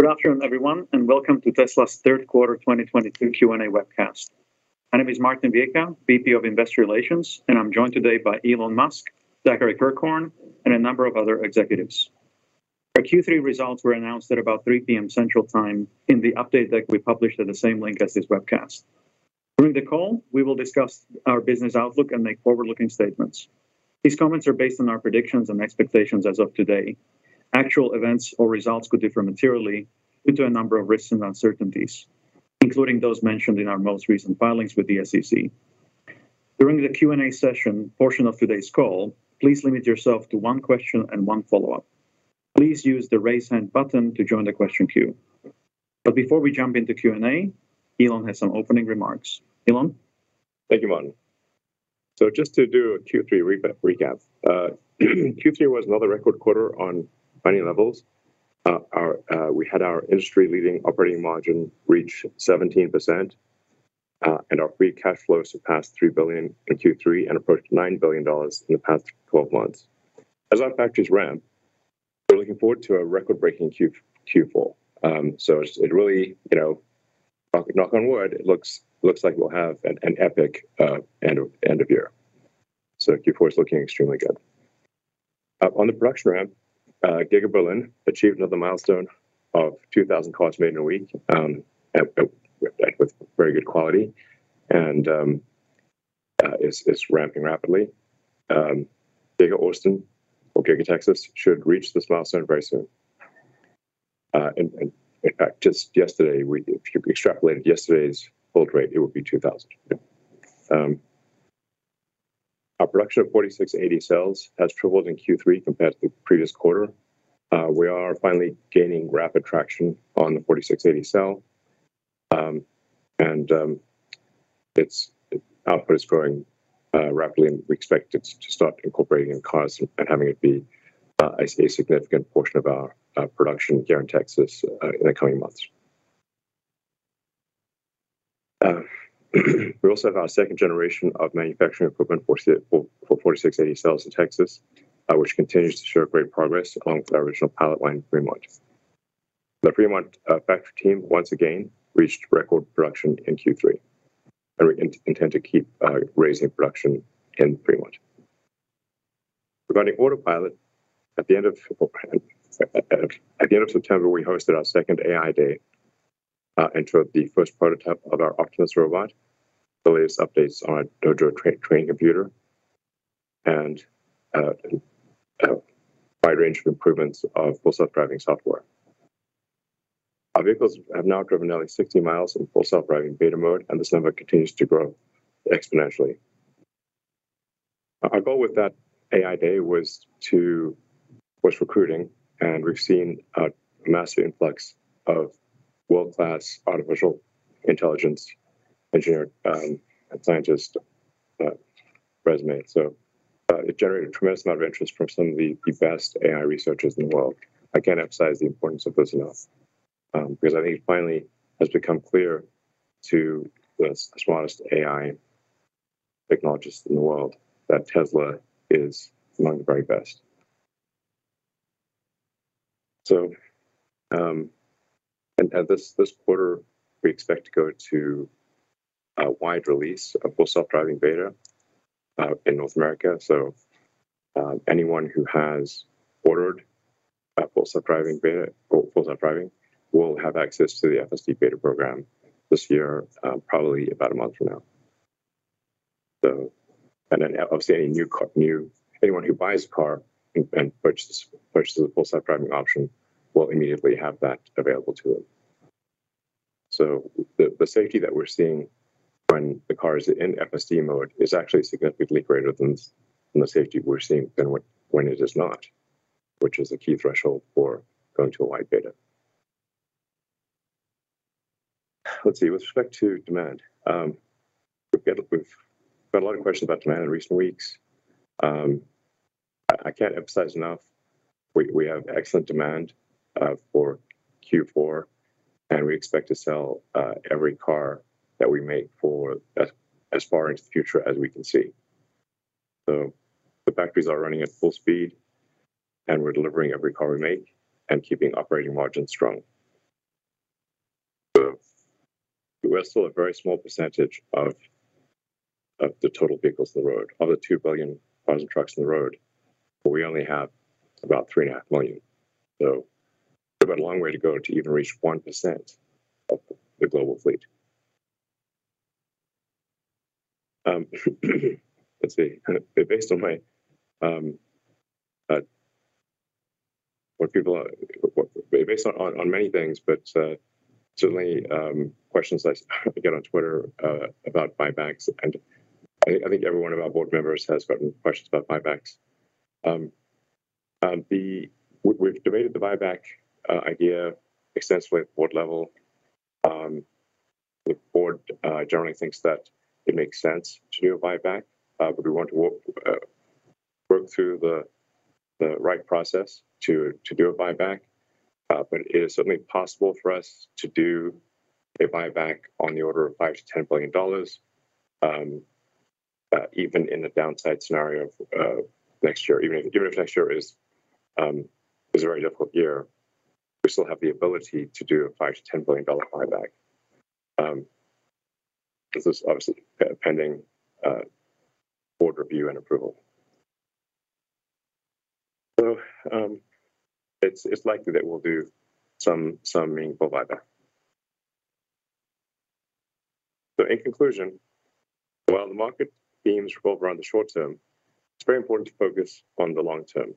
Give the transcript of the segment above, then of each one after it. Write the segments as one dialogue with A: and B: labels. A: Good afternoon, everyone, and welcome to Tesla's Q3 2022 Q&A Webcast. My name is Martin Viecha, VP of Investor Relations, and I'm joined today by Elon Musk, Zachary Kirkhorn, and a number of other executives. Our Q3 results were announced at about 3 PM Central Time in the update that we published at the same link as this webcast. During the call, we will discuss our business outlook and make forward-looking statements. These comments are based on our predictions and expectations as of today. Actual events or results could differ materially due to a number of risks and uncertainties, including those mentioned in our most recent filings with the SEC. During the Q&A session portion of today's call, please limit yourself to one question and one follow-up. Please use the Raise Hand button to join the question queue. Before we jump into Q&A, Elon has some opening remarks. Elon?
B: Thank you, Martin. Just to do a Q3 recap. Q3 was another record quarter on many levels. We had our industry-leading operating margin reach 17%, and our free cash flow surpassed $3 billion in Q3 and approached $9 billion in the past 12 months. As our factories ramp, we're looking forward to a record-breaking Q4. It really, you know, knock on wood, it looks like we'll have an epic end of year. Q4 is looking extremely good. On the production ramp, Giga Berlin achieved another milestone of 2,000 cars made in a week, and with very good quality and it's ramping rapidly. Giga Austin or Giga Texas should reach this milestone very soon. In fact, just yesterday, if you extrapolated yesterday's build rate, it would be 2000. Our production of 4680 cells has tripled in Q3 compared to the previous quarter. We are finally gaining rapid traction on the 4680 cell. Its output is growing rapidly, and we expect it to start incorporating in cars and having it be a significant portion of our production here in Texas in the coming months. We also have our second generation of manufacturing equipment for 4680 cells in Texas, which continues to show great progress along with our original pilot line in Fremont. The Fremont factory team once again reached record production in Q3, and we intend to keep raising production in Fremont. Regarding Autopilot, at the end of September, we hosted our second AI Day and showed the first prototype of our Optimus robot, the latest updates on our Dojo training computer, and a wide range of improvements of Full Self-Driving software. Our vehicles have now driven nearly 60 miles in Full Self-Driving Beta mode, and this number continues to grow exponentially. Our goal with that AI Day was to push recruiting, and we've seen a massive influx of world-class artificial intelligence engineer and scientist resumes. It generated a tremendous amount of interest from some of the best AI researchers in the world. I can't emphasize the importance of this enough, because I think it finally has become clear to the smartest AI technologists in the world that Tesla is among the very best. This quarter, we expect to go to a wide release of Full Self-Driving Beta in North America. Anyone who has ordered a Full Self-Driving Beta or Full Self-Driving will have access to the FSD Beta program this year, probably about a month from now. Obviously anyone who buys a car and purchases the Full Self-Driving option will immediately have that available to them. The safety that we're seeing when the car is in FSD mode is actually significantly greater than the safety we're seeing when it is not, which is a key threshold for going to a wide beta. Let's see. With respect to demand, we've got a lot of questions about demand in recent weeks. I can't emphasize enough, we have excellent demand for Q4, and we expect to sell every car that we make for as far into the future as we can see. The factories are running at full speed, and we're delivering every car we make and keeping operating margins strong. We're still a very small percentage of the total vehicles on the road. Of the two billion cars and trucks on the road, we only have about 3.5 million. We've got a long way to go to even reach 1% of the global fleet. Let's see. Based on my, what people. Based on many things, but certainly questions I get on Twitter about buybacks, and I think every one of our board members has gotten questions about buybacks. We’ve debated the buyback idea extensively at board level. The board generally thinks that it makes sense to do a buyback, but we want to work through the right process to do a buyback. It is certainly possible for us to do a buyback on the order of $5 billion-$10 billion. Even in the downside scenario of next year, even if next year is a very difficult year, we still have the ability to do a $5 billion-$10 billion buyback. This is obviously pending board review and approval. It's likely that we'll do some meaningful buyback. In conclusion, while the market themes revolve around the short term, it's very important to focus on the long term.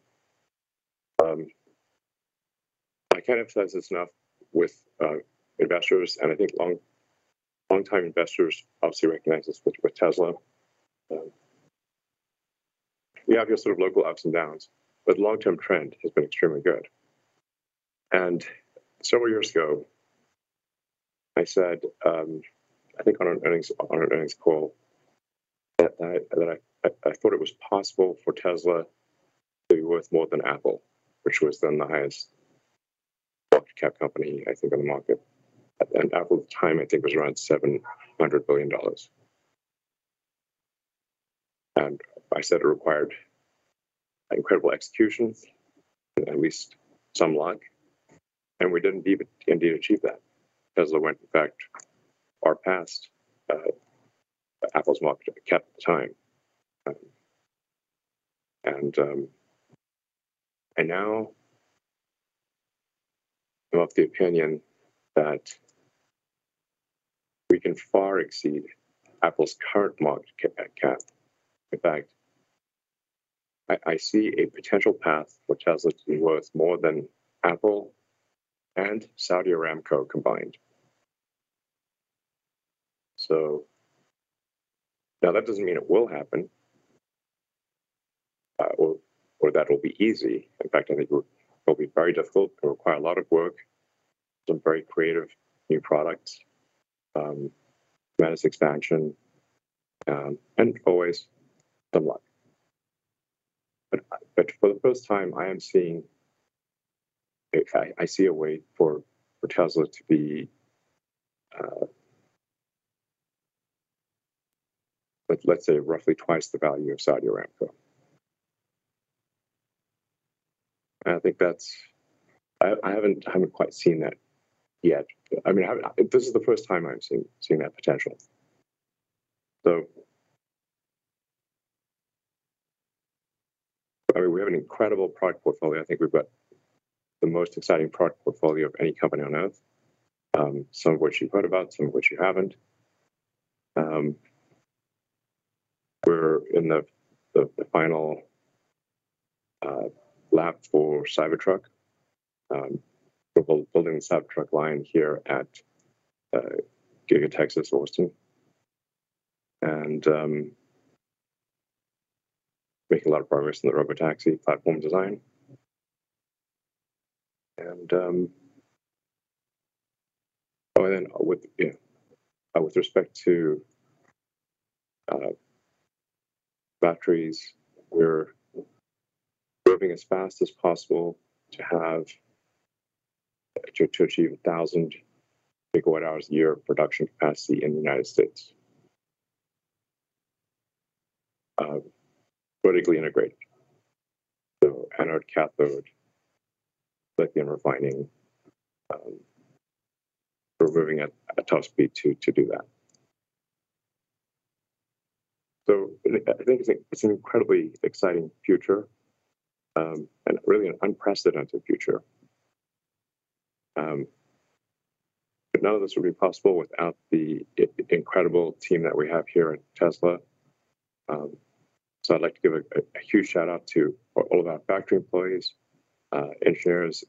B: I can't emphasize this enough with investors, and I think longtime investors obviously recognize this with Tesla. We have our sort of local ups and downs, but long-term trend has been extremely good. Several years ago, I said, I think on an earnings call, that I thought it was possible for Tesla to be worth more than Apple, which was then the highest market cap company, I think, on the market. Apple at the time I think was around $700 billion. I said it required incredible execution, at least some luck, and we did indeed achieve that. Tesla went, in fact, far past Apple's market cap at the time. Now I'm of the opinion that we can far exceed Apple's current market cap. In fact, I see a potential path for Tesla to be worth more than Apple and Saudi Aramco combined. Now that doesn't mean it will happen or that it will be easy. In fact, I think it will be very difficult. It will require a lot of work, some very creative new products, tremendous expansion, and always some luck. For the first time, I am seeing. I see a way for Tesla to be, let's say, roughly twice the value of Saudi Aramco. I think that's. I haven't quite seen that yet. This is the first time I've seen that potential. I mean, we have an incredible product portfolio. I think we've got the most exciting product portfolio of any company on Earth. Some of which you've heard about, some of which you haven't. We're in the final lap for Cybertruck. We're building the Cybertruck line here at Giga Texas, Austin, and making a lot of progress in the Robotaxi platform design. With respect to batteries, we're moving as fast as possible to achieve 1,000 gigawatt hours a year of production capacity in the United States, vertically integrated. Anode, cathode, lithium refining, we're moving at a top speed to do that. I think it's an incredibly exciting future, and really an unprecedented future. None of this would be possible without the incredible team that we have here at Tesla. I'd like to give a huge shout-out to all of our factory employees, engineers,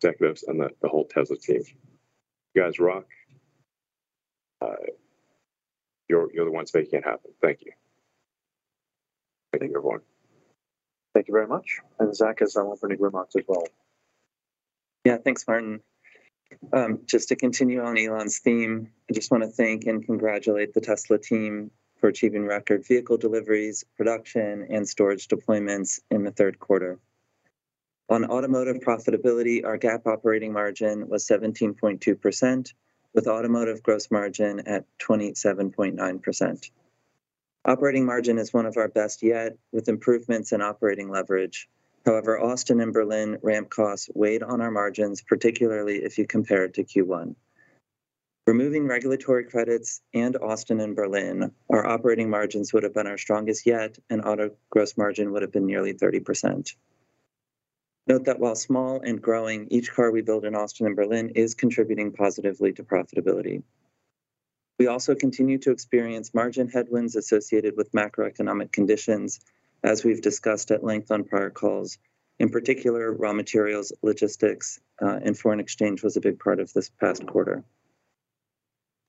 B: executives, and the whole Tesla team. You guys rock. You're the ones making it happen. Thank you. Thank you, everyone.
A: Thank you very much. Zach is on for any remarks as well.
C: Yeah. Thanks, Martin. Just to continue on Elon's theme, I just wanna thank and congratulate the Tesla team for achieving record vehicle deliveries, production and storage deployments in the third quarter. On automotive profitability, our GAAP operating margin was 17.2%, with automotive gross margin at 27.9%. Operating margin is one of our best yet, with improvements in operating leverage. However, Austin and Berlin ramp costs weighed on our margins, particularly if you compare it to Q1. Removing regulatory credits and Austin and Berlin, our operating margins would have been our strongest yet, and auto gross margin would have been nearly 30%. Note that while small and growing, each car we build in Austin and Berlin is contributing positively to profitability. We also continue to experience margin headwinds associated with macroeconomic conditions, as we've discussed at length on prior calls. In particular, raw materials, logistics, and foreign exchange was a big part of this past quarter.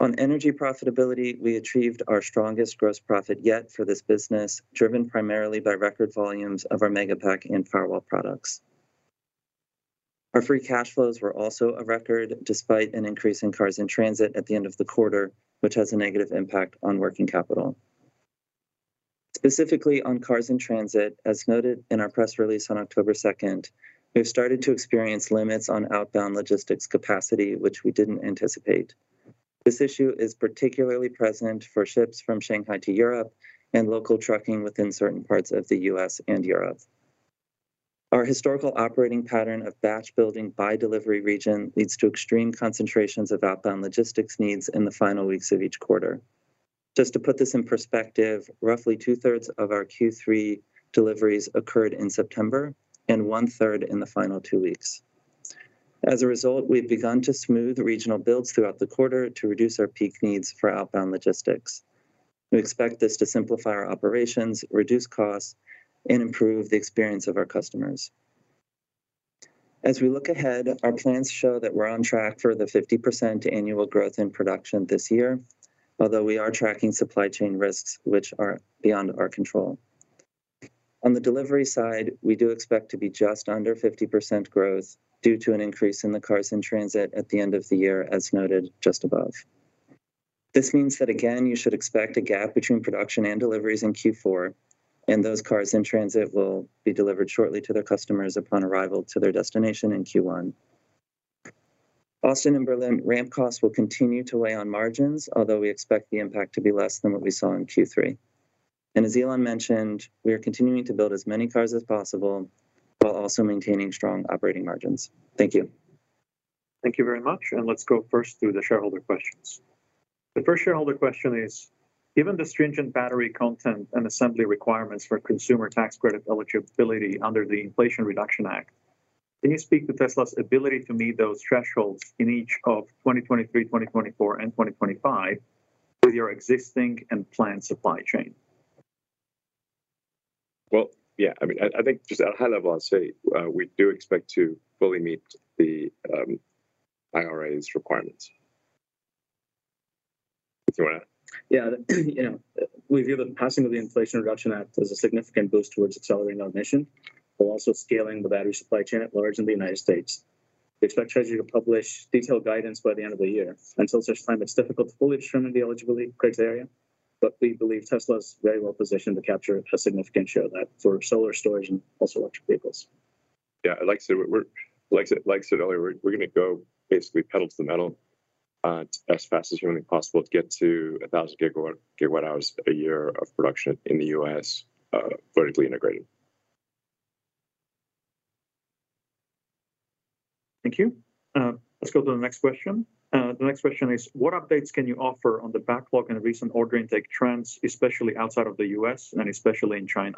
C: On energy profitability, we achieved our strongest gross profit yet for this business, driven primarily by record volumes of our Megapack and Powerwall products. Our free cash flows were also a record despite an increase in cars in transit at the end of the quarter, which has a negative impact on working capital. Specifically on cars in transit, as noted in our press release on October second, we've started to experience limits on outbound logistics capacity, which we didn't anticipate. This issue is particularly present for ships from Shanghai to Europe and local trucking within certain parts of the U.S. and Europe. Our historical operating pattern of batch building by delivery region leads to extreme concentrations of outbound logistics needs in the final weeks of each quarter. Just to put this in perspective, roughly two-thirds of our Q3 deliveries occurred in September and one-third in the final two weeks. As a result, we've begun to smooth regional builds throughout the quarter to reduce our peak needs for outbound logistics. We expect this to simplify our operations, reduce costs, and improve the experience of our customers. As we look ahead, our plans show that we're on track for the 50% annual growth in production this year, although we are tracking supply chain risks which are beyond our control. On the delivery side, we do expect to be just under 50% growth due to an increase in the cars in transit at the end of the year, as noted just above. This means that, again, you should expect a gap between production and deliveries in Q4, and those cars in transit will be delivered shortly to their customers upon arrival to their destination in Q1. Austin and Berlin ramp costs will continue to weigh on margins, although we expect the impact to be less than what we saw in Q3. As Elon mentioned, we are continuing to build as many cars as possible while also maintaining strong operating margins. Thank you.
A: Thank you very much. Let's go first through the shareholder questions. The first shareholder question is, given the stringent battery content and assembly requirements for consumer tax credit eligibility under the Inflation Reduction Act, can you speak to Tesla's ability to meet those thresholds in each of 2023, 2024, and 2025 with your existing and planned supply chain?
B: Well, yeah. I mean, I think just at a high level, I'd say, we do expect to fully meet the IRA's requirements. Do you wanna add?
C: Yeah. You know, we view the passing of the Inflation Reduction Act as a significant boost towards accelerating our mission, while also scaling the battery supply chain at large in the United States. We expect Treasury to publish detailed guidance by the end of the year. Until such time, it's difficult to fully determine the eligibility criteria, but we believe Tesla is very well positioned to capture a significant share of that for solar storage and also electric vehicles.
B: Yeah. Like I said earlier, we're gonna go basically pedal to the metal as fast as humanly possible to get to 1,000 gigawatt hours a year of production in the U.S., vertically integrated.
A: Thank you. Let's go to the next question. The next question is, what updates can you offer on the backlog and recent order intake trends, especially outside of the U.S. and especially in China?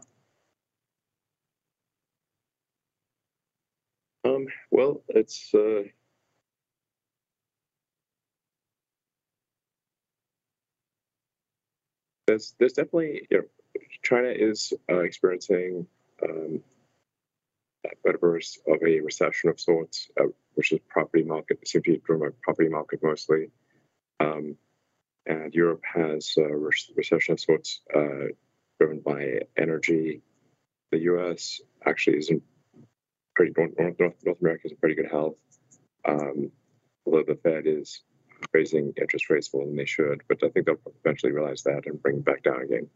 B: There's definitely, you know, China is experiencing a mild version of a recession of sorts, which is simply driven by property market mostly. Europe has a recession of sorts, driven by energy. North America is in pretty good health, although the Fed is raising interest rates more than they should, but I think they'll eventually realize that and bring it back down again.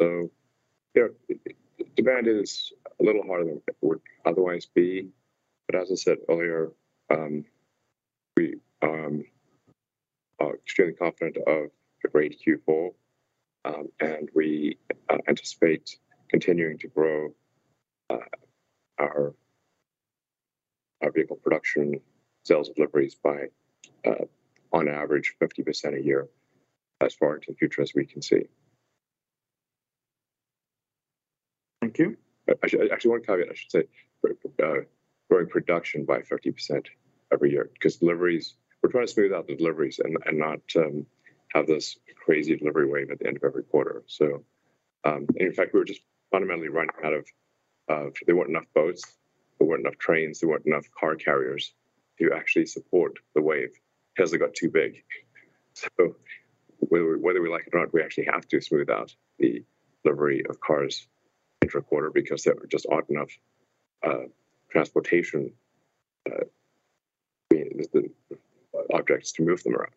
B: You know, demand is a little harder than it would otherwise be. As I said earlier, we are extremely confident of a great Q4, and we anticipate continuing to grow our vehicle production sales deliveries by, on average, 50% a year as far into the future as we can see.
A: Thank you.
B: Actually, one caveat I should say. Growing production by 50% every year because deliveries, we're trying to smooth out the deliveries and not have this crazy delivery wave at the end of every quarter. In fact, we were just fundamentally running out of. There weren't enough boats, there weren't enough trains, there weren't enough car carriers to actually support the wave. Tesla got too big. Whether we like it or not, we actually have to smooth out the delivery of cars intra-quarter because there just aren't enough transportation means, objects to move them around.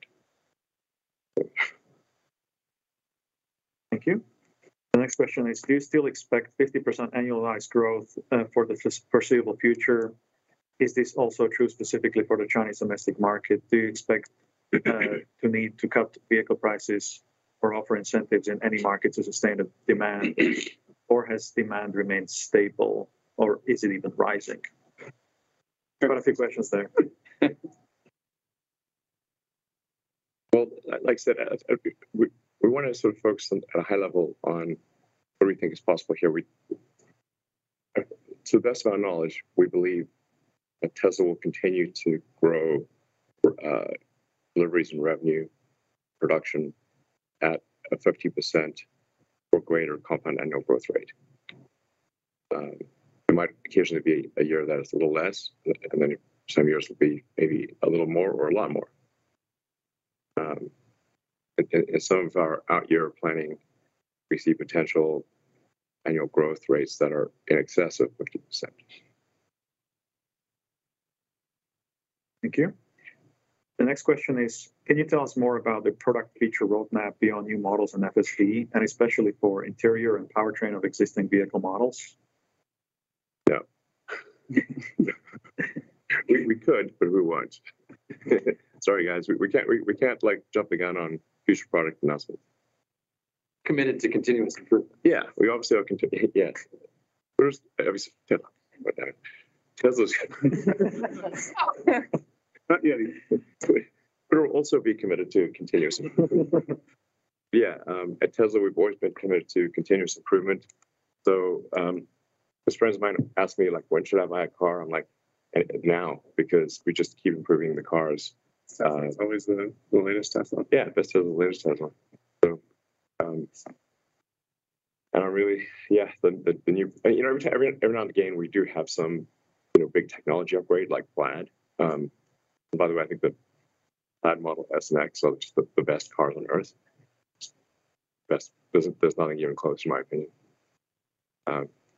A: Thank you. The next question is, do you still expect 50% annualized growth for the foreseeable future? Is this also true specifically for the Chinese domestic market? Do you expect to need to cut vehicle prices or offer incentives in any market to sustain the demand? Or has demand remained stable or is it even rising? Quite a few questions there.
B: Well, like I said, we wanna sort of focus on, at a high level, on what we think is possible here. To the best of our knowledge, we believe that Tesla will continue to grow deliveries and revenue production at a 50% or greater compound annual growth rate. There might occasionally be a year that is a little less, and then some years will be maybe a little more or a lot more. In some of our out year planning, we see potential annual growth rates that are in excess of 50%.
A: Thank you. The next question is, can you tell us more about the product feature roadmap beyond new models and FSD, and especially for interior and powertrain of existing vehicle models?
B: Yeah. We could, but who wants? Sorry, guys, we can't like jump the gun on future product announcements.
D: Committed to continuous improvement.
B: Yeah. We obviously are committed.
D: Yeah.
B: We will also be committed to continuous improvement. At Tesla we've always been committed to continuous improvement. This friend of mine asked me like, "When should I buy a car?" I'm like, "now," because we just keep improving the cars.
D: It's always the latest Tesla.
B: Yeah, best of the latest Tesla. Yeah, you know, every now and again, we do have some, you know, big technology upgrade, like Plaid. By the way, I think the Plaid Model S and X are just the best cars on Earth. Just best. There's nothing even close, in my opinion.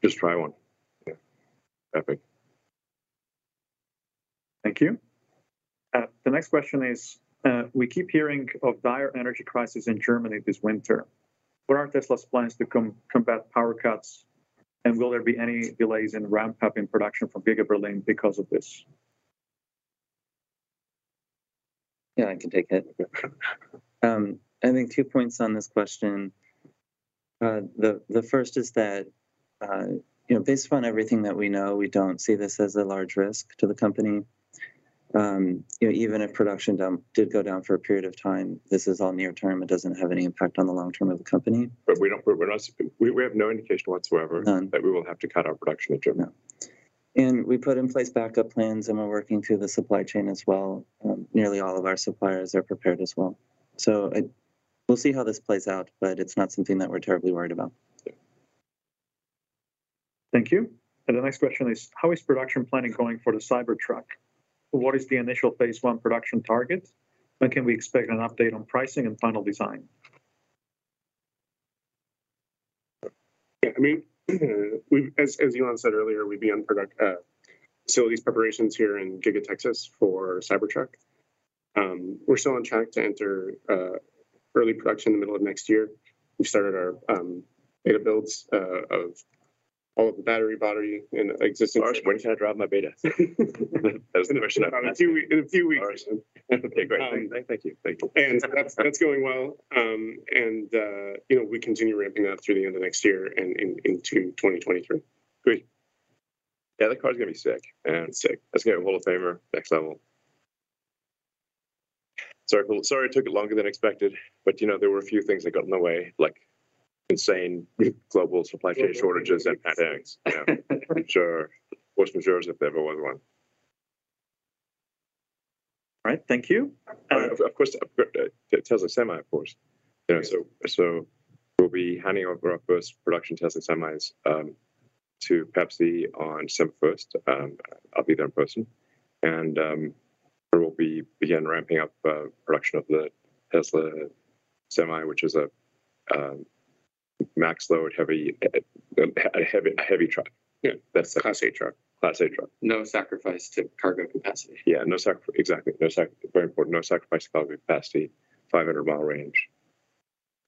B: Just try one.
D: Yeah.
B: Epic.
A: Thank you. The next question is, we keep hearing of dire energy crisis in Germany this winter. What are Tesla's plans to combat power cuts, and will there be any delays in ramping up production from Giga Berlin because of this?
D: Yeah, I can take it. I think two points on this question. The first is that, you know, based upon everything that we know, we don't see this as a large risk to the company. You know, even if production did go down for a period of time, this is all near term. It doesn't have any impact on the long term of the company.
B: We have no indication whatsoever.
D: None
B: that we will have to cut our production in Germany.
D: No. We put in place backup plans, and we're working through the supply chain as well. Nearly all of our suppliers are prepared as well. We'll see how this plays out, but it's not something that we're terribly worried about.
B: Yeah.
A: Thank you. The next question is, how is production planning going for the Cybertruck? What is the initial phase one production target? When can we expect an update on pricing and final design?
D: Yeah, I mean, as Elon Musk said earlier, we began product facilities preparations here in Giga Texas for Cybertruck. We're still on track to enter early production in the middle of next year. We've started our beta builds of all of the battery, body, and existing-
B: Lars, when can I drive my beta? That was the question.
D: In a few weeks.
B: All right. Okay, great. Thank you. Thank you.
D: That's going well. You know, we continue ramping that through the end of next year and into 2023.
B: Great. Yeah, that car's gonna be sick. Yeah, it's sick. That's gonna be a Hall of Famer, next level. So cool. Sorry it took longer than expected, but, you know, there were a few things that got in the way, like insane global supply chain shortages and pandemics. Yeah. Which were worse messes if there ever was one.
A: All right. Thank you.
B: Of course, Tesla Semi, of course. You know, we'll be handing over our first production Tesla Semis to PepsiCo on September first. I'll be there in person. We'll begin ramping up production of the Tesla Semi, which is a max load heavy truck.
D: Yeah.
B: That's-
D: Class 8 truck.
B: Class 8 truck.
D: No sacrifice to cargo capacity.
B: Yeah, exactly. No sacrifice, very important. No sacrifice to cargo capacity, 500-mile range.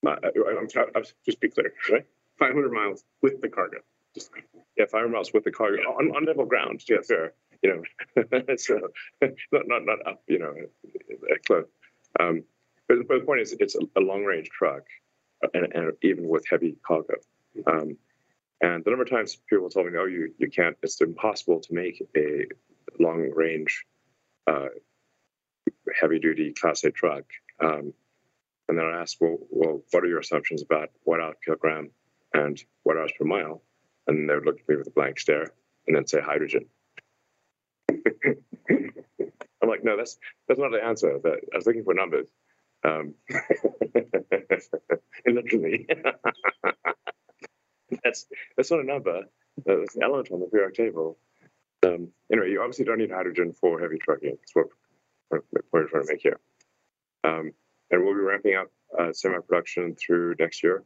B: Just to be clear. Right?
D: 500 mi with the cargo.
B: Yeah, 500 miles with the cargo on level ground, to be fair.
D: Yes.
B: You know, so not up, you know? But the point is, it's a long-range truck and even with heavy cargo. And the number of times people tell me, "Oh, you can't. It's impossible to make a long-range, heavy-duty Class 8 truck." And then I ask, "Well, what are your assumptions about watt per kilogram and watt-hours per mile?" And they would look at me with a blank stare and then say, "Hydrogen." I'm like, "No, that's not the answer. I was looking for numbers." Literally. That's not a number. That was an element on the periodic table. Anyway, you obviously don't need hydrogen for a heavy truck. Yeah, that's what we're trying to make here. And we'll be ramping up Semi production through next year.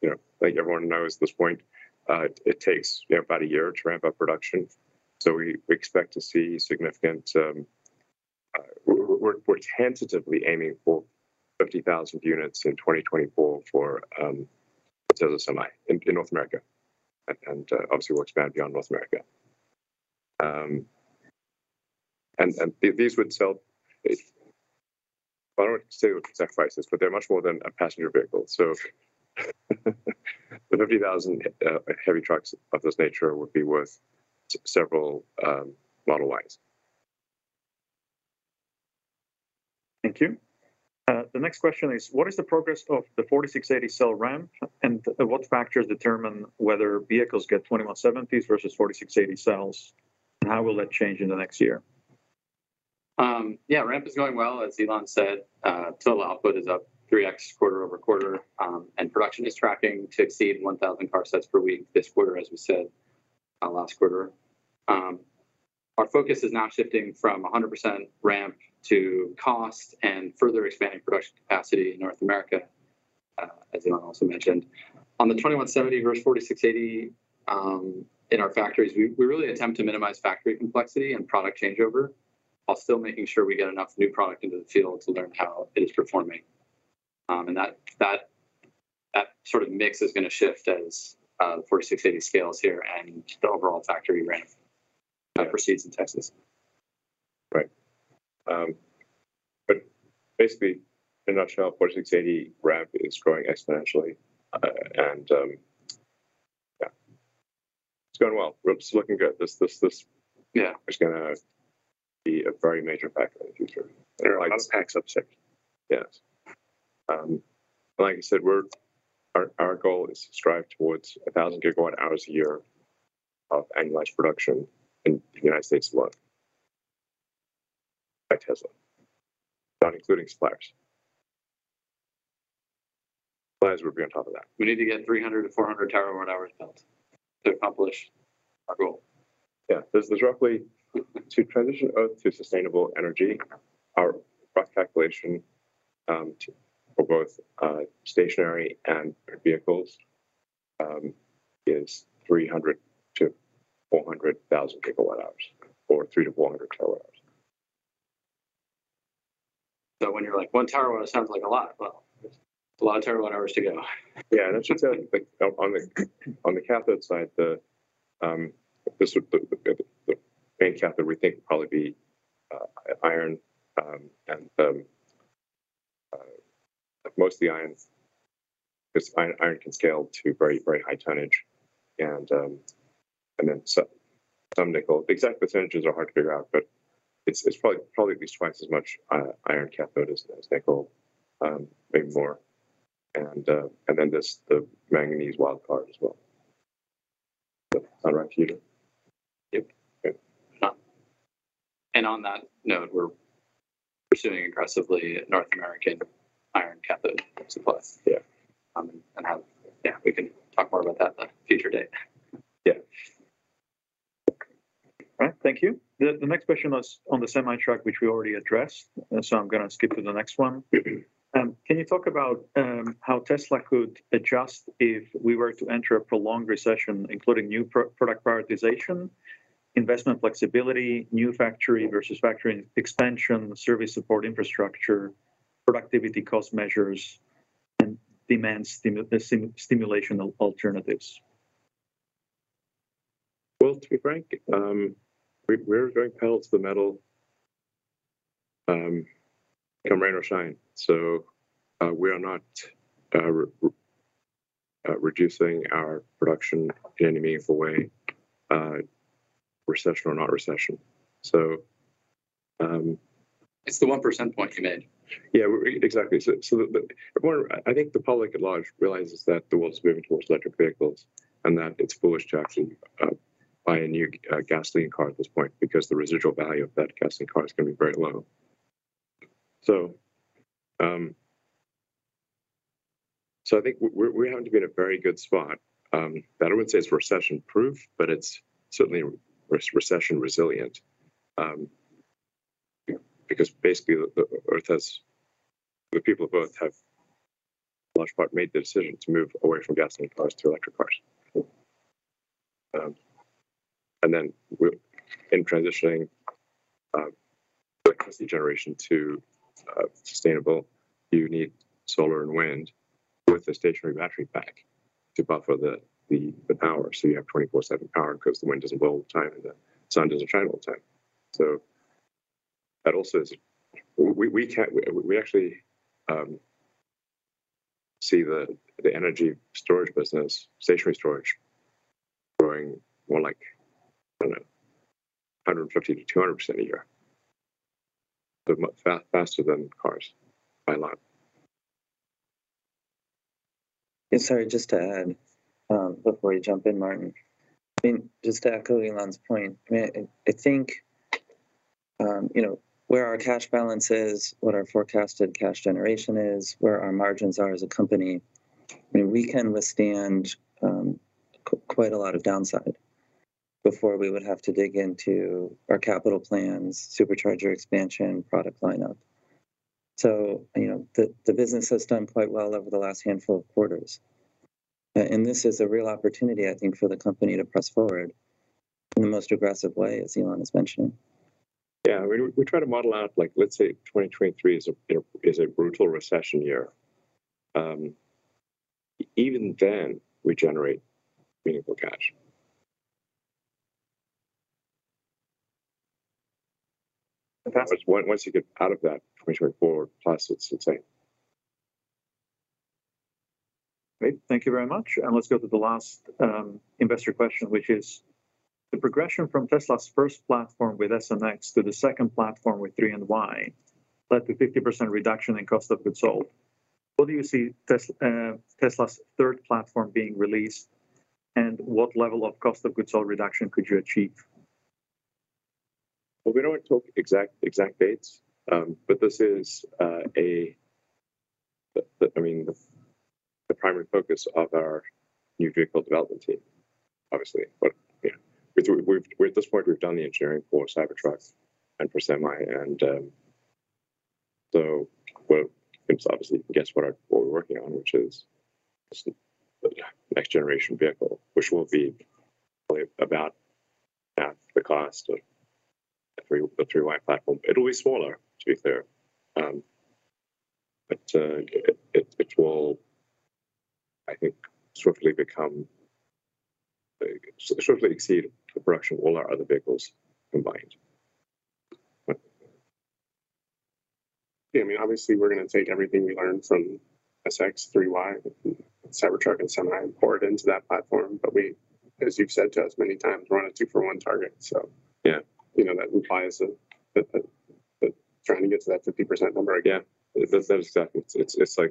B: You know, like everyone knows at this point, it takes you know about a year to ramp up production. We expect to see significant. We're tentatively aiming for 50,000 units in 2024 for Tesla Semi in North America, and obviously we'll expand beyond North America. These would sell. I don't want to say with exact prices, but they're much more than a passenger vehicle, so the 50,000 heavy trucks of this nature would be worth several Model Ys.
A: Thank you. The next question is, what is the progress of the 4680 cell ramp, and what factors determine whether vehicles get 2170s versus 4680 cells? How will that change in the next year?
D: Yeah, ramp is going well. As Elon said, cell output is up 3x quarter-over-quarter, and production is tracking to exceed 1,000 car sets per week this quarter, as we said, last quarter. Our focus is now shifting from 100% ramp to cost and further expanding production capacity in North America, as Elon also mentioned. On the 2170 versus 4680, in our factories, we really attempt to minimize factory complexity and product changeover while still making sure we get enough new product into the field to learn how it is performing.
E: That sort of mix is gonna shift as 4680 scales here and the overall factory ramp proceeds in Texas.
B: Right. Basically, in a nutshell, 4680 ramp is growing exponentially. Yeah, it's going well. It's looking good.
E: Yeah
B: Is gonna be a very major factor in the future.
E: There are a lot of packs upstairs.
B: Yes. Like I said, our goal is to strive towards 1,000 gigawatt hours a year of annualized production in the United States alone by Tesla, not including suppliers. Suppliers will be on top of that.
E: We need to get 300-400 TWh built to accomplish our goal.
B: There's roughly to transition Earth to sustainable energy, our rough calculation for both stationary and vehicles is 300,000-400,000 GWh or 300-400 TWh.
E: When you're like, 1 terawatt sounds like a lot. Well, it's a lot of terawatt hours to go.
B: Yeah. I should tell you, like, on the cathode side, the main cathode we think will probably be iron. Most of the iron's 'cause iron can scale to very, very high tonnage and then some nickel. The exact percentages are hard to figure out, but it's probably at least twice as much iron cathode as nickel, maybe more. Then there's the manganese wild card as well. Does that sound right to you?
E: Yep.
B: Yep.
E: On that note, we're pursuing aggressively North American iron cathode supplies.
B: Yeah.
E: Yeah, we can talk more about that at a future date.
B: Yeah.
A: All right. Thank you. The next question was on the semi-truck, which we already addressed, so I'm gonna skip to the next one.
B: Mm-hmm.
A: Can you talk about how Tesla could adjust if we were to enter a prolonged recession, including product prioritization, investment flexibility, new factory versus factory expansion, service support infrastructure, productivity cost measures, and demand stimulation alternatives?
B: Well, to be frank, we're very pedal to the metal, come rain or shine. We are not reducing our production in any meaningful way, recession or not recession.
E: It's the one percentage point you made.
B: Yeah, exactly. I think the public at large realizes that the world's moving towards electric vehicles, and that it's foolish to actually buy a new gasoline car at this point because the residual value of that gasoline car is gonna be very low. I think we're in a very good spot. I wouldn't say it's recession-proof, but it's certainly recession resilient, you know, because basically the people of Earth have, in large part, made the decision to move away from gasoline cars to electric cars. In transitioning electricity generation to sustainable, you need solar and wind with a stationary battery pack to buffer the power. You have 24/7 power in case the wind doesn't blow all the time and the sun doesn't shine all the time. That also is. We actually see the energy storage business, stationary storage, growing more like, I don't know, 150%-200% a year. Faster than cars by a lot.
C: Yeah, sorry, just to add before you jump in, Martin. I mean, just to echo Elon's point, I mean, I think you know where our cash balance is, what our forecasted cash generation is, where our margins are as a company. I mean, we can withstand quite a lot of downside before we would have to dig into our capital plans, Supercharger expansion, product lineup. You know, the business has done quite well over the last handful of quarters. This is a real opportunity, I think, for the company to press forward in the most aggressive way, as Elon has mentioned.
B: Yeah. We try to model out, like, let's say, 2023 is a, you know, is a brutal recession year. Even then, we generate meaningful cash. The challenge.
E: Once you get out of that 2024 plus, it's insane.
A: Great. Thank you very much. Let's go to the last investor question, which is: The progression from Tesla's first platform with S and X to the second platform with three and Y led to 50% reduction in cost of goods sold. Where do you see Tesla's third platform being released, and what level of cost of goods sold reduction could you achieve?
B: Well, we don't wanna talk exact dates, but this is, I mean, the primary focus of our new vehicle development team, obviously. You know, at this point we've done the engineering for Cybertruck and for Semi. It's obviously, guess what we're working on, which is the next generation vehicle, which will be probably about the cost of a Model 3, a Model Y platform, it'll be smaller, to be fair. It will, I think, shortly become shortly exceed the production of all our other vehicles combined.
D: Yeah, I mean, obviously we're gonna take everything we learned from S/X, 3/Y, Cybertruck and Semi and pour it into that platform. We, as you've said to us many times, we're on a two-for-one target, so.
B: Yeah
D: You know, that implies that trying to get to that 50% number again.
B: That's exactly the line of sight.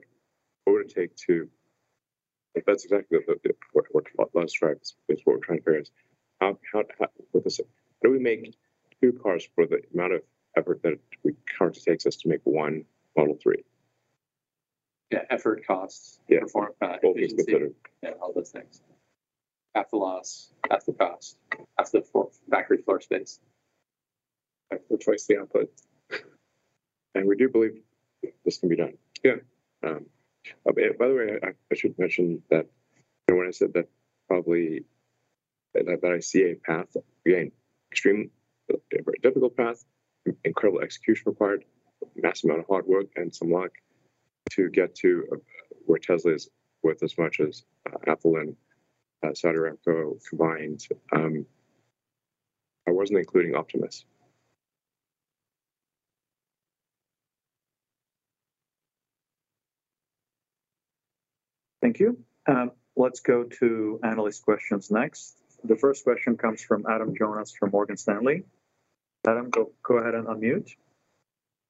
B: What we're trying here is how, with this, how do we make two cars for the amount of effort that it currently takes us to make one Model 3.
D: Yeah. Effort, costs.
B: Yeah
D: Efficiency.
B: Both with the-
D: Yeah, all those things. That's the loss, that's the cost, that's the factory floor space.
B: For twice the output. We do believe this can be done.
D: Yeah.
B: Oh, by the way, I should mention that when I said that probably I see a path, again, extreme, a very difficult path, incredible execution required, massive amount of hard work and some luck to get to where Tesla is worth as much as Apple and Saudi Aramco combined, I wasn't including Optimus.
A: Thank you. Let's go to analyst questions next. The first question comes from Adam Jonas from Morgan Stanley. Adam, go ahead and unmute.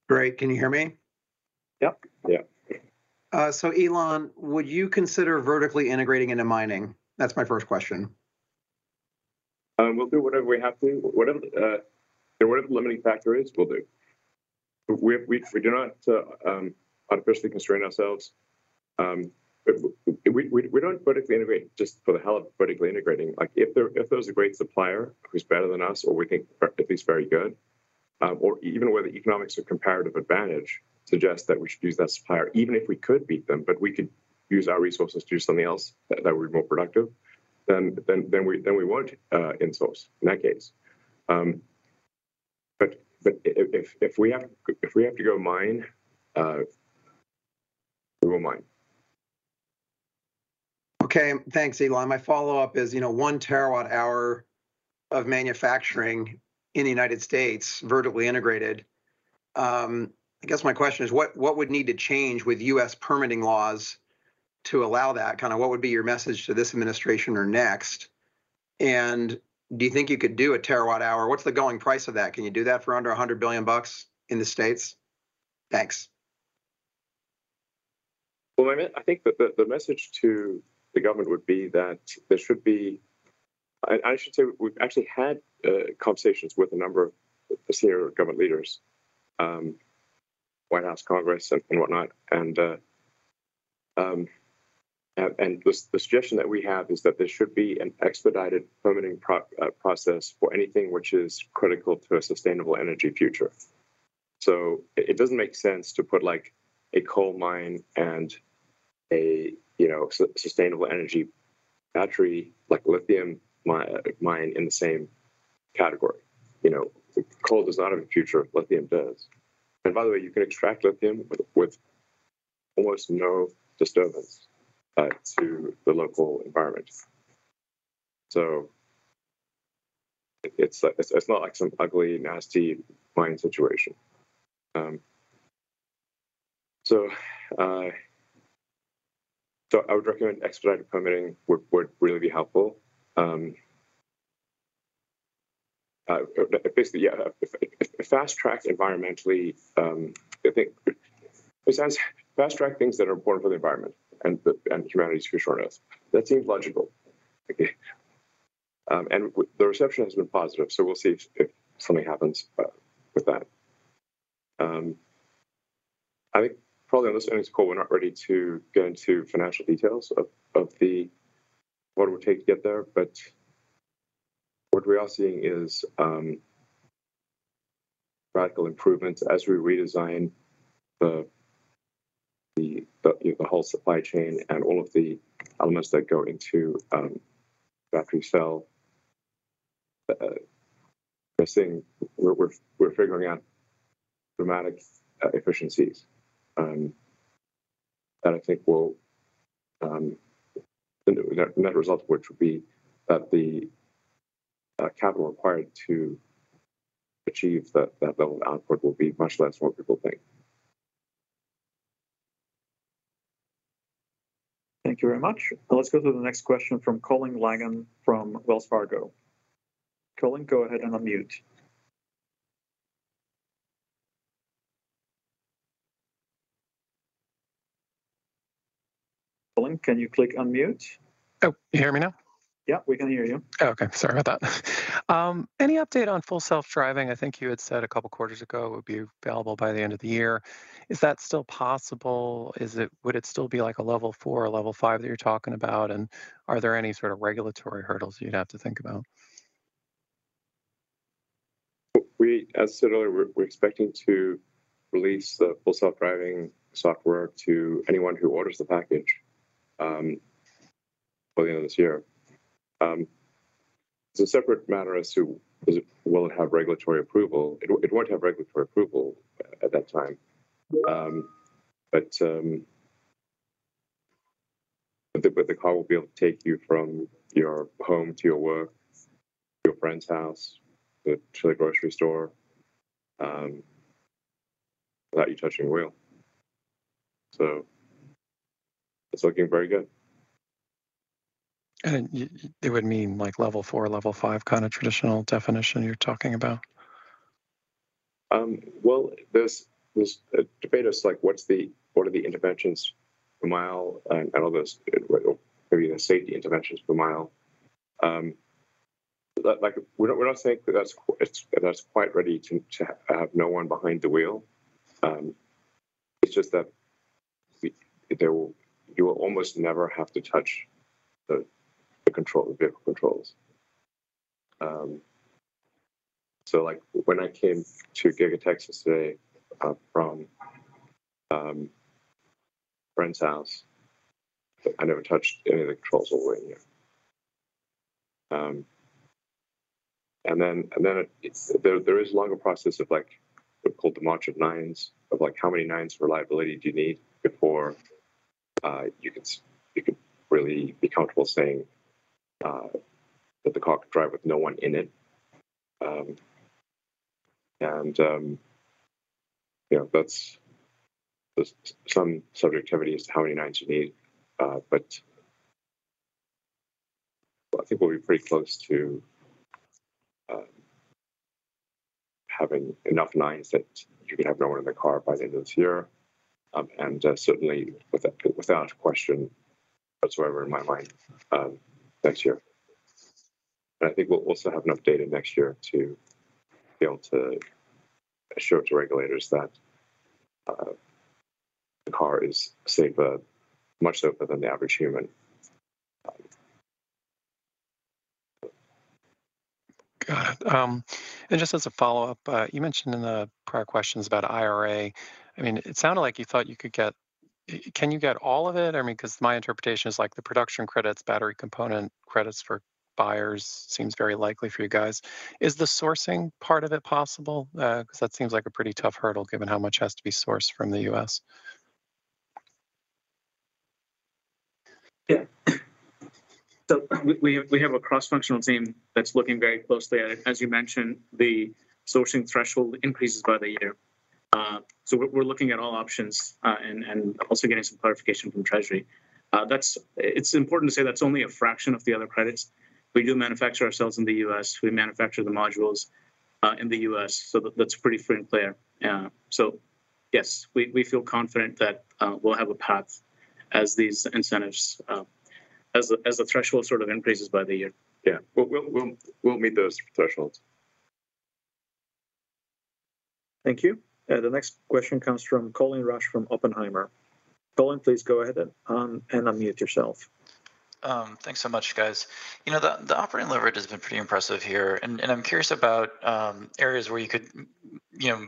F: Great. Can you hear me?
A: Yep.
B: Yeah.
F: Elon, would you consider vertically integrating into mining? That's my first question.
B: We'll do whatever we have to. Whatever the limiting factor is, we'll do. We do not artificially constrain ourselves. We don't vertically integrate just for the hell of vertically integrating. Like if there was a great supplier who's better than us, or we think at least very good, or even where the economics or comparative advantage suggests that we should use that supplier, even if we could beat them, but we could use our resources to do something else that would be more productive, then we wouldn't insource in that case. If we have to go mine, we will mine.
F: Okay. Thanks, Elon. My follow-up is, you know, one terawatt hour of manufacturing in the United States, vertically integrated. I guess my question is what would need to change with U.S. permitting laws to allow that? Kinda what would be your message to this administration or next? And do you think you could do a terawatt hour? What's the going price of that? Can you do that for under $100 billion in the States? Thanks.
B: I mean, I think the message to the government would be that there should be. I should say we've actually had conversations with a number of senior government leaders, White House, Congress and whatnot. The suggestion that we have is that there should be an expedited permitting process for anything which is critical to a sustainable energy future. It doesn't make sense to put like a coal mine and a, you know, sustainable energy factory like lithium mine in the same category. You know, coal does not have a future, lithium does. By the way, you can extract lithium with almost no disturbance to the local environment. It's not like some ugly, nasty mine situation. I would recommend expedited permitting would really be helpful. Basically, yeah, fast track environmentally, I think fast track things that are important for the environment and humanity's future on Earth. That seems logical. The reception has been positive, so we'll see if something happens with that. I think probably on this earnings call, we're not ready to go into financial details of what it would take to get there, but what we are seeing is radical improvements as we redesign the whole supply chain and all of the elements that go into battery cell. We're figuring out dramatic efficiencies that I think will. The net net result of which would be that the capital required to achieve that level of output will be much less than what people think.
A: Thank you very much. Let's go to the next question from Colin Langan from Wells Fargo. Colin, go ahead and unmute. Colin, can you click unmute?
G: Oh, can you hear me now?
A: Yeah, we can hear you.
G: Oh, okay. Sorry about that. Any update on Full Self-Driving? I think you had said a couple quarters ago it would be available by the end of the year. Is that still possible? Would it still be like a level four or level five that you're talking about? And are there any sort of regulatory hurdles you'd have to think about?
B: As I said earlier, we're expecting to release the Full Self-Driving software to anyone who orders the package by the end of this year. It's a separate matter as to whether it will have regulatory approval. It won't have regulatory approval at that time. The car will be able to take you from your home to your work, to your friend's house, to the grocery store without you touching the wheel. It's looking very good.
G: They would mean like level four, level five kind of traditional definition you're talking about?
B: Well, there's debate. It's like what are the interventions per mile and all those, or maybe even safety interventions per mile. Like, we're not saying that that's quite ready to have no one behind the wheel. It's just that you will almost never have to touch the vehicle controls. Like when I came to Giga Texas today, from a friend's house, I never touched any of the controls all the way here. There is a longer process of like what we call the march of nines, of like how many nines reliability do you need before you can really be comfortable saying that the car could drive with no one in it. You know, there's some subjectivity as to how many nines you need. I think we'll be pretty close to having enough nines that you could have no one in the car by the end of this year. Certainly without question, that's wherever in my mind next year. I think we'll still have enough data next year to be able to show to regulators that the car is safer, much safer than the average human.
G: Got it. Just as a follow-up, you mentioned in the prior questions about IRA. I mean, it sounded like you thought you could get. Can you get all of it? I mean, 'cause my interpretation is like the production credits, battery component credits for buyers seems very likely for you guys. Is the sourcing part of it possible? 'Cause that seems like a pretty tough hurdle given how much has to be sourced from the U.S.
C: Yeah. We have a cross-functional team that's looking very closely at it. As you mentioned, the sourcing threshold increases by the year. We're looking at all options and also getting some clarification from Treasury. That's important to say that's only a fraction of the other credits. We do manufacture ourselves in the U.S. We manufacture the modules in the U.S., so that's pretty free and clear. Yeah. Yes, we feel confident that we'll have a path as these incentives, as the threshold sort of increases by the year.
B: Yeah. We'll meet those thresholds.
A: Thank you. The next question comes from Colin Rusch from Oppenheimer. Colin, please go ahead and unmute yourself.
H: Thanks so much, guys. You know, the operating leverage has been pretty impressive here, and I'm curious about areas where you could, you know,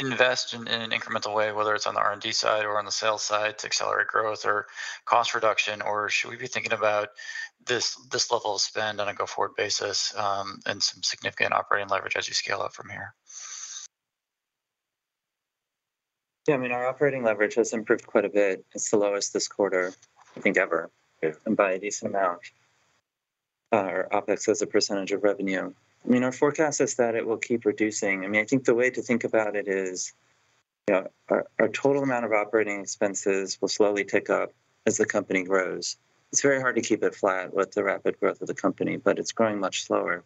H: invest in an incremental way, whether it's on the R&D side or on the sales side to accelerate growth or cost reduction. Or should we be thinking about this level of spend on a go-forward basis, and some significant operating leverage as you scale up from here?
C: Yeah. I mean, our operating leverage has improved quite a bit. It's the lowest this quarter, I think ever.
B: Yeah.
C: By a decent amount, our OpEx as a percentage of revenue. I mean, our forecast is that it will keep reducing. I mean, I think the way to think about it is, you know, our total amount of operating expenses will slowly tick up as the company grows. It's very hard to keep it flat with the rapid growth of the company, but it's growing much slower.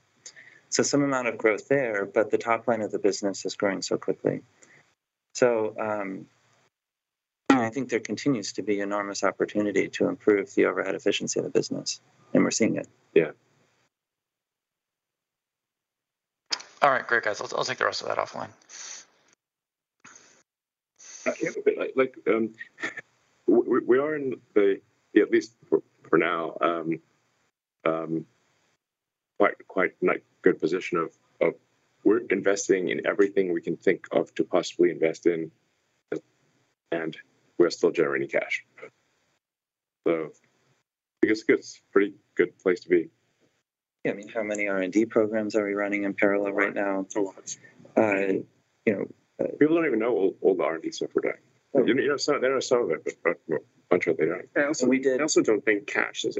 C: Some amount of growth there, but the top line of the business is growing so quickly. I think there continues to be enormous opportunity to improve the overhead efficiency of the business, and we're seeing it.
B: Yeah.
H: All right. Great, guys. I'll take the rest of that offline.
B: Yeah. Like we are in the, at least for now, quite like good position of we're investing in everything we can think of to possibly invest in, and we're still generating cash. I guess it's pretty good place to be.
C: Yeah. I mean, how many R&D programs are we running in parallel right now?
B: A lot.
C: You know.
B: People don't even know all the R&D stuff we're doing. They know some of it, but a bunch of it they don't.
C: Also we did-
B: I also don't think cash is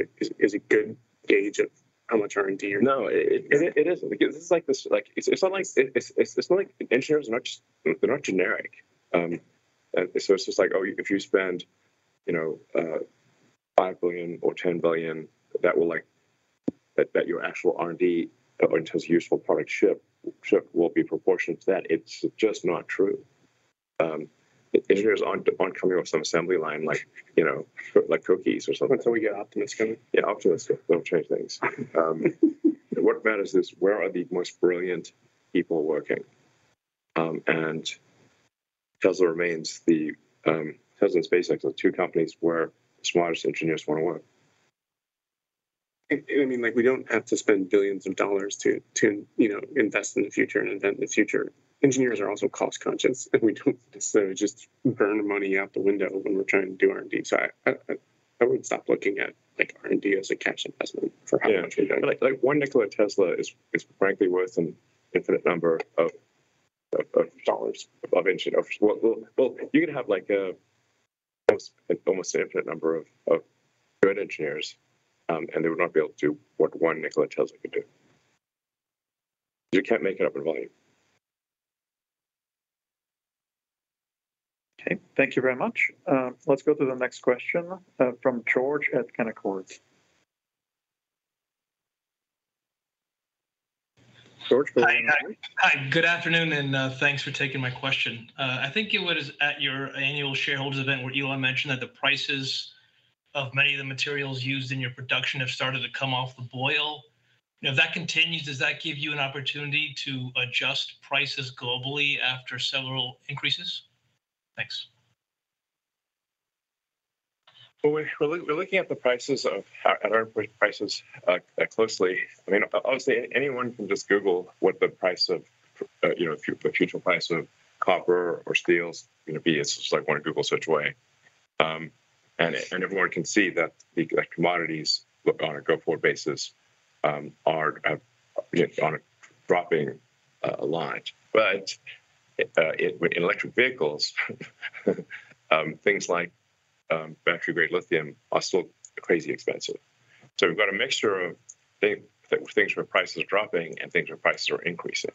B: a good gauge of how much R&D you're doing. No, it isn't. Because this is like, it's not like engineers are not generic. It's just like, oh, if you spend, you know, $5 billion or $10 billion, your actual R&D in terms of useful product shipped will be proportionate to that. It's just not true. Engineers aren't coming off some assembly line like, you know, like cookies or something.
C: Until we get Optimus coming.
B: Yeah, Optimus don't change things. What matters is where are the most brilliant people working. Tesla and SpaceX are the two companies where the smartest engineers wanna work.
C: I mean, like we don't have to spend billions of dollars to you know, invest in the future and invent the future. Engineers are also cost conscious, and we don't necessarily just burn money out the window when we're trying to do R&D. I would stop looking at like R&D as a cash investment for how much we've done.
B: Like one Nikola Tesla is frankly worth an infinite number of dollars of engineering. Well you could have like an almost infinite number of good engineers and they would not be able to do what one Nikola Tesla could do. You can't make it up in volume.
A: Okay. Thank you very much. Let's go to the next question, from George at Canaccord. George, go ahead please.
I: Hi. Hi, good afternoon, and, thanks for taking my question. I think it was at your annual shareholders event where Elon mentioned that the prices of many of the materials used in your production have started to come off the boil. You know, if that continues, does that give you an opportunity to adjust prices globally after several increases? Thanks.
B: Well, we're looking at our prices closely. I mean, obviously anyone can just Google what the future price of copper or steel's gonna be. It's just like one Google search away. And everyone can see that the, like, commodities look on a go forward basis are, you know, on a dropping line. But in electric vehicles, things like battery grade lithium are still crazy expensive. So we've got a mixture of things where price is dropping and things where prices are increasing.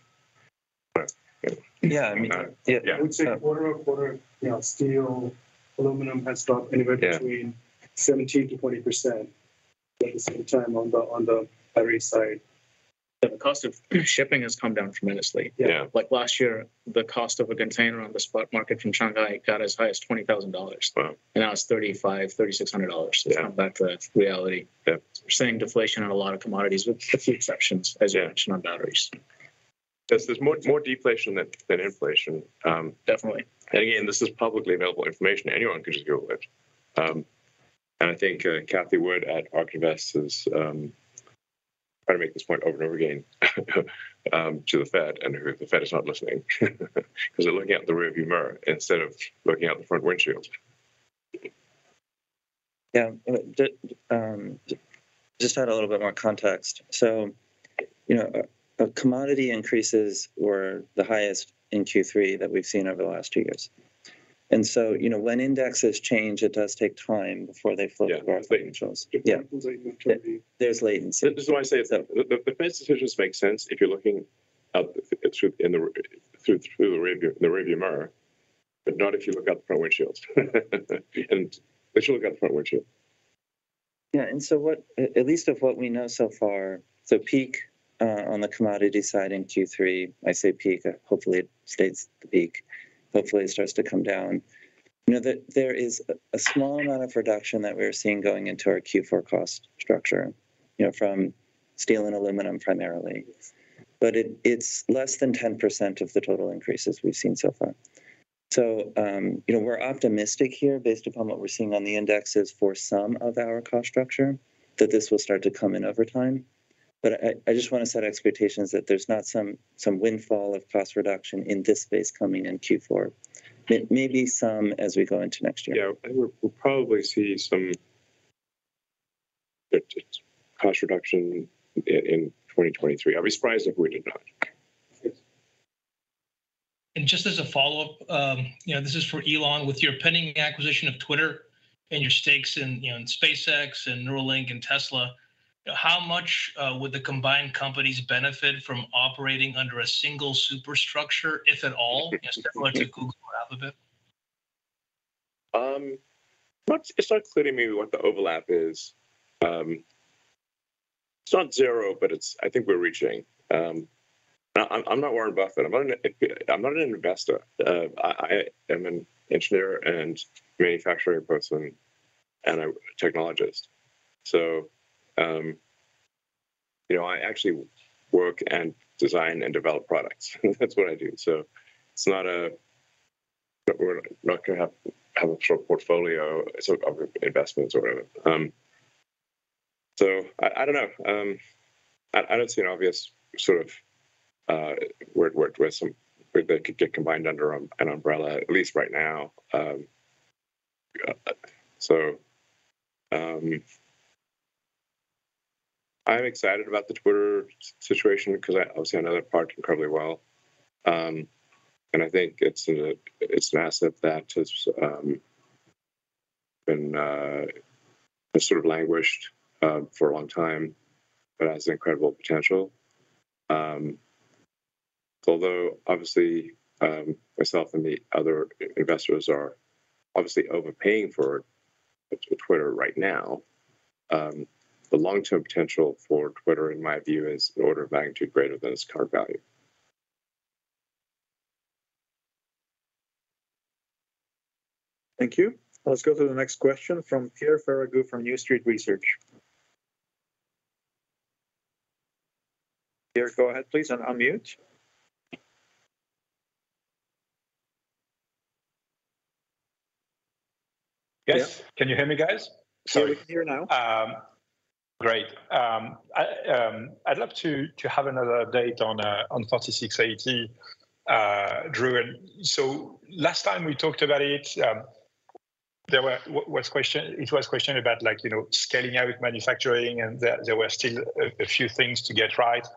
C: Yeah, I mean.
B: Yeah.
C: Yeah.
D: I would say quarter-over-quarter, you know, steel, aluminum has dropped anywhere between.
B: Yeah
D: 17%-20% at the same time on the battery side.
C: The cost of shipping has come down tremendously.
B: Yeah.
C: Like last year, the cost of a container on the spot market from Shanghai got as high as $20,000.
B: Wow.
C: Now it's $3,500-$3,600.
B: Yeah.
C: It's come back to reality.
B: Yeah.
C: We're seeing deflation on a lot of commodities with a few exceptions.
B: Yeah
C: as you mentioned on batteries.
B: Yes, there's more deflation than inflation.
C: Definitely
B: this is publicly available information. Anyone can just Google it. I think Cathie Wood at ARK Invest is trying to make this point over and over again to the Fed, and the Fed is not listening 'cause they're looking out the rear view mirror instead of looking out the front windshield.
C: Yeah. Just to add a little bit more context. You know, commodity increases were the highest in Q3 that we've seen over the last two years. You know, when indexes change, it does take time before they flow.
B: Yeah
C: through to our financials. Yeah.
D: It takes a little time.
C: There's latency.
B: This is why I say it's the Fed's decisions make sense if you're looking out through the rear view mirror, but not if you look out the front windshield. They should look out the front windshield.
C: Yeah. What, at least of what we know so far, the peak on the commodity side in Q3, I say peak, hopefully it stays the peak. Hopefully it starts to come down. You know, there is a small amount of reduction that we are seeing going into our Q4 cost structure, you know, from steel and aluminum primarily. It's less than 10% of the total increases we've seen so far. You know, we're optimistic here based upon what we're seeing on the indexes for some of our cost structure that this will start to come in over time. I just wanna set expectations that there's not some windfall of cost reduction in this space coming in Q4. There may be some as we go into next year.
B: Yeah. I think we'll probably see some cost reduction in 2023. I'll be surprised if we did not.
I: Just as a follow-up, you know, this is for Elon. With your pending acquisition of Twitter and your stakes in, you know, in SpaceX and Neuralink and Tesla, how much would the combined companies benefit from operating under a single superstructure, if at all? Just definitely take Google out of it.
B: It's not clear to me what the overlap is. It's not zero, but it's I think we're reaching. I'm not Warren Buffett. I'm not an investor. I am an engineer and manufacturing person, and a technologist. You know, I actually work and design and develop products. That's what I do. It's not a we're not gonna have a short portfolio, sort of investments or whatever. I don't know. I don't see an obvious sort of where there's where that could get combined under an umbrella, at least right now. I'm excited about the Twitter situation 'cause I obviously know that product incredibly well. I think it's an asset that has sort of languished for a long time, but has incredible potential. Although obviously, myself and the other investors are obviously overpaying for Twitter right now, the long-term potential for Twitter in my view is an order of magnitude greater than its current value.
A: Thank you. Let's go to the next question from Pierre Ferragu from New Street Research. Pierre, go ahead please and unmute.
J: Yes. Can you hear me guys?
A: Sorry.
E: We can hear now.
J: Great. I'd love to have another update on 4680, Drew. Last time we talked about it, there was a question about like, you know, scaling out manufacturing and there were still a few things to get right.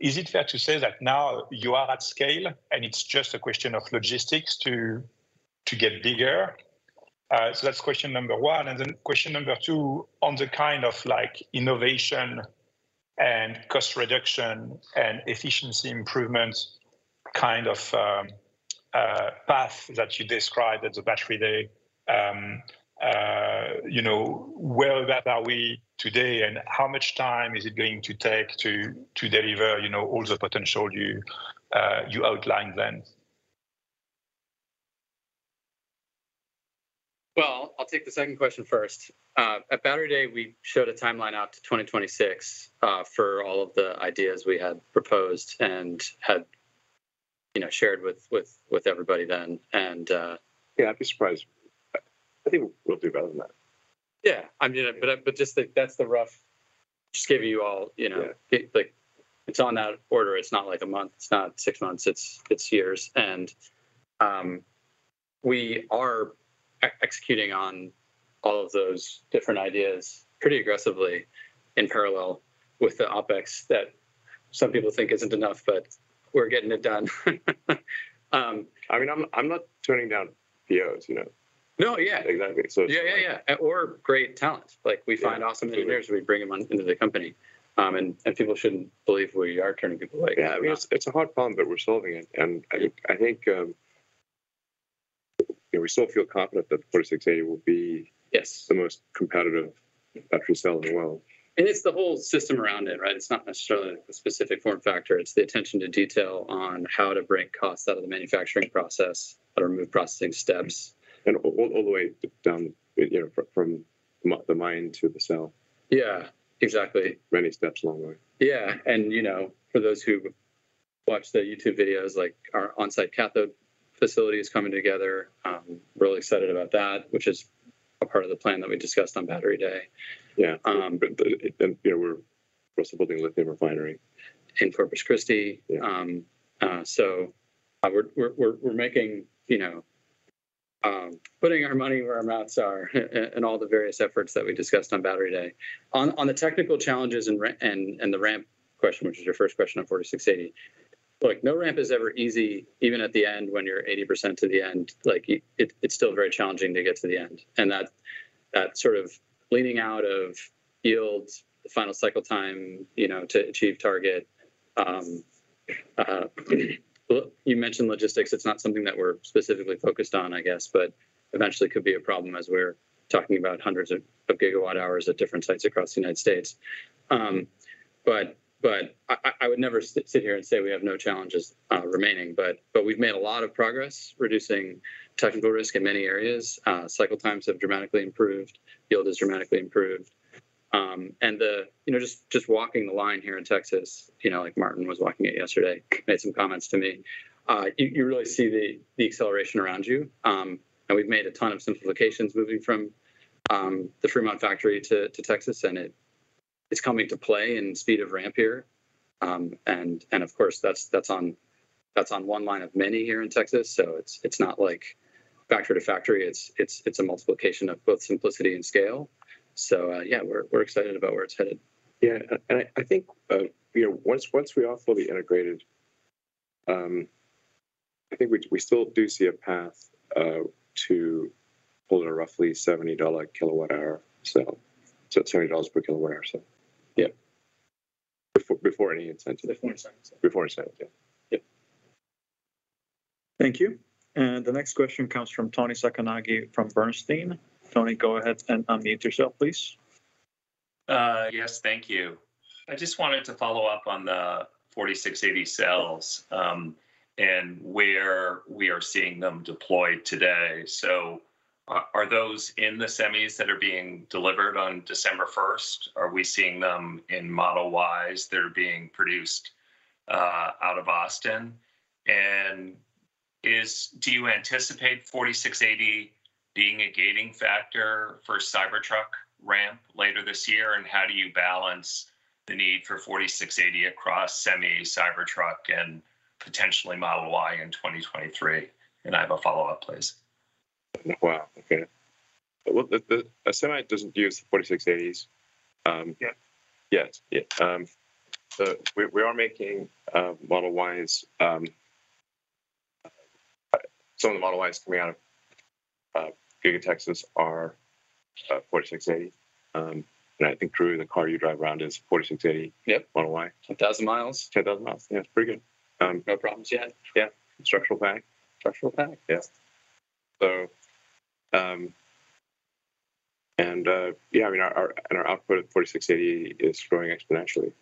J: Is it fair to say that now you are at scale and it's just a question of logistics to get bigger? That's question number one. Question number two, on the kind of like innovation and cost reduction and efficiency improvements kind of path that you described at the Battery Day, you know, where are we today and how much time is it going to take to deliver, you know, all the potential you outlined then?
E: Well, I'll take the second question first. At Battery Day, we showed a timeline out to 2026 for all of the ideas we had proposed and had, you know, shared with everybody then.
B: Yeah, I'd be surprised. I think we'll do better than that.
E: Yeah. I mean, just giving you all, you know-
B: Yeah
E: Like it's on that order. It's not like a month, it's not six months, it's years. We are executing on all of those different ideas pretty aggressively in parallel with the OpEx that some people think isn't enough, but we're getting it done.
B: I mean, I'm not turning down POs, you know?
E: No. Yeah.
B: Exactly.
E: Yeah. Great talent. Like we find
B: Yeah
E: Awesome engineers and we bring 'em on into the company. People shouldn't believe we are turning people away. We're not.
B: Yeah. I mean, it's a hard problem, but we're solving it. I think, you know, we still feel confident that 4680 will be-
E: Yes
B: the most competitive battery cell in the world.
E: It's the whole system around it, right? It's not necessarily the specific form factor, it's the attention to detail on how to break costs out of the manufacturing process, how to remove processing steps.
B: All the way down, you know, from the mine to the cell.
E: Yeah. Exactly.
B: Many steps along the way.
E: Yeah. You know, for those who watch the YouTube videos, like our on-site cathode facility is coming together. Really excited about that, which is a part of the plan that we discussed on Battery Day.
B: Yeah.
E: Um-
B: You know, we're of course building a lithium refinery.
E: In Corpus Christi.
B: Yeah.
E: We're making, you know, putting our money where our mouths are in all the various efforts that we discussed on Battery Day. On the technical challenges and the ramp question, which is your first question on 4680, look, no ramp is ever easy. Even at the end when you're 80% to the end, like it's still very challenging to get to the end. That sort of leaning out of yield, the final cycle time, you know, to achieve target. You mentioned logistics. It's not something that we're specifically focused on, I guess, but eventually could be a problem as we're talking about hundreds of gigawatt hours at different sites across the United States. I would never sit here and say we have no challenges remaining, but we've made a lot of progress reducing technical risk in many areas. Cycle times have dramatically improved. Yield has dramatically improved. You know, just walking the line here in Texas, you know, like Martin Viecha was walking it yesterday, made some comments to me, you really see the acceleration around you. We've made a ton of simplifications moving from the Fremont factory to Texas, and it's coming into play in speed of ramp here. Of course that's on one line of many here in Texas, so it's not like factory to factory. It's a multiplication of both simplicity and scale. Yeah, we're excited about where it's headed.
B: Yeah. I think, you know, once we are fully integrated, I think we still do see a path to pull at a roughly $70/kWh cell. It's $70 per kWh. Yeah. Before any incentive.
E: Before incentive.
B: Before incentive. Yeah. Yeah.
A: Thank you. The next question comes from Toni Sacconaghi from Bernstein. Tony, go ahead and unmute yourself, please.
K: Yes. Thank you. I just wanted to follow up on the 4680 cells, and where we are seeing them deployed today. Are those in the Semis that are being delivered on December 1st? Are we seeing them in Model Ys that are being produced out of Austin? Do you anticipate 4680 being a gating factor for Cybertruck ramp later this year? How do you balance the need for 4680 across Semi, Cybertruck, and potentially Model Y in 2023? I have a follow-up, please.
B: Wow, okay. Well, a Semi doesn't use the 4680s.
K: Yet.
B: Yeah, we are making Model Ys. Some of the Model Ys coming out of Giga Texas are 4680. I think, Drew, the car you drive around is 4680.
E: Yep
B: Model Y.
E: 10,000 mi.
B: 10,000 miles. Yeah, it's pretty good.
E: No problems yet.
B: Yeah. Structural pack.
E: Structural pack.
B: I mean, our output at 4680 is growing exponentially.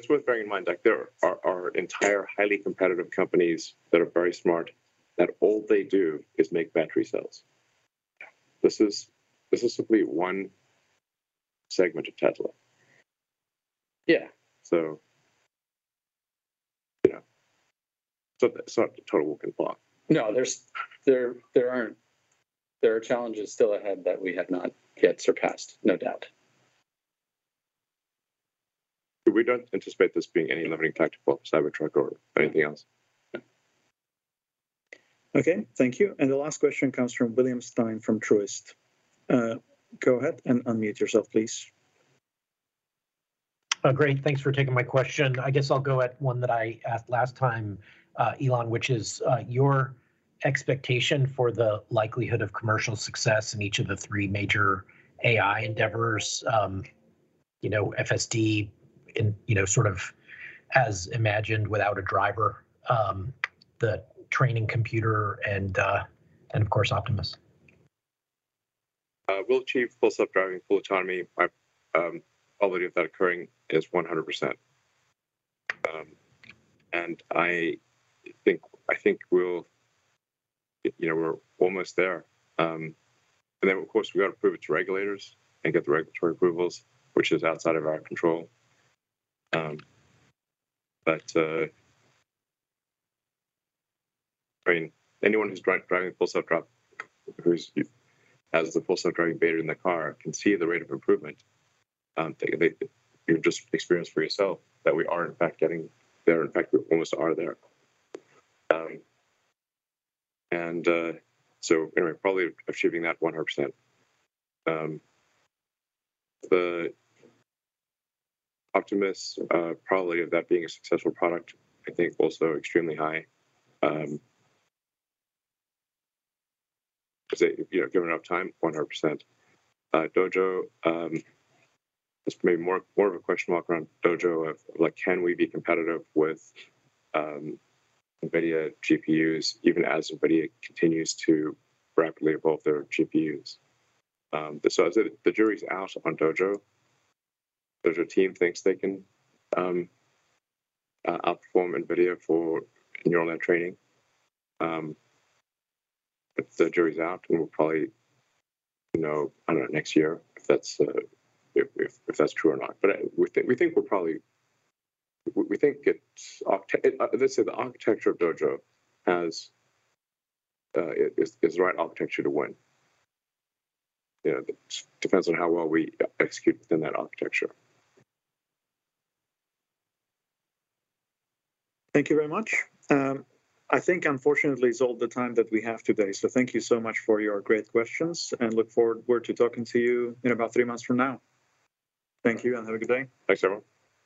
B: It's worth bearing in mind, like, there are entire highly competitive companies that are very smart that all they do is make battery cells. This is simply one segment of Tesla.
K: Yeah.
B: Yeah. It's not a total walk in the park.
K: No, there aren't. There are challenges still ahead that we have not yet surpassed, no doubt.
B: We don't anticipate this being any limiting factor for Cybertruck or anything else. Yeah.
A: Okay. Thank you. The last question comes from William Stein from Truist. Go ahead and unmute yourself, please.
L: Great. Thanks for taking my question. I guess I'll go at one that I asked last time, Elon, which is, your expectation for the likelihood of commercial success in each of the three major AI endeavors, you know, FSD in, you know, sort of as imagined without a driver, the training computer and of course, Optimus.
B: We'll achieve full self-driving, full autonomy. Our probability of that occurring is 100%. I think you know, we're almost there. Of course, we gotta prove it to regulators and get the regulatory approvals, which is outside of our control. I mean, anyone who's driving a full self-driving, who has the Full Self-Driving Beta in their car can see the rate of improvement, that you just experience for yourself that we are in fact getting there. In fact, we almost are there. Anyway, probably achieving that 100%. The Optimus probability of that being a successful product, I think also extremely high, 'cause if you know, given enough time, 100%. Dojo, it's maybe more of a question mark around Dojo like, can we be competitive with NVIDIA GPUs even as NVIDIA continues to rapidly evolve their GPUs. I said the jury's out on Dojo. Dojo team thinks they can outperform NVIDIA for neural net training. The jury's out, and we'll probably know, I don't know, next year if that's true or not. We think, let's say, the architecture of Dojo is the right architecture to win. You know, depends on how well we execute within that architecture.
L: Thank you very much. I think unfortunately, it's all the time that we have today. Thank you so much for your great questions, and look forward to talking to you in about three months from now. Thank you, and have a good day.
B: Thanks, everyone.